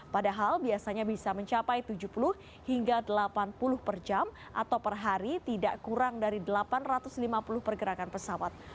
padahal biasanya bisa mencapai tujuh puluh hingga delapan puluh per jam atau per hari tidak kurang dari delapan ratus lima puluh pergerakan pesawat